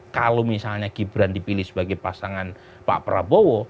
kalau misalnya gibran dipilih sebagai pasangan pak prabowo